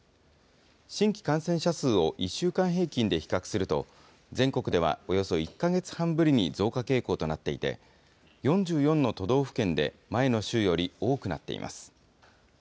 新規感染者数を１週間平均で比較すると、全国ではおよそ１か月半ぶりに増加傾向となっていて、４４の都道府県で前の週より多くなっています。